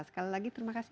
sekali lagi terima kasih